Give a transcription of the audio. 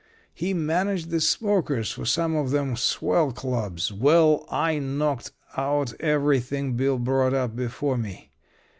He managed the smokers for some of them swell clubs. Well, I knocked out everything Bill brought up before me.